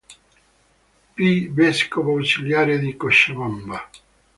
P., vescovo ausiliare di Cochabamba.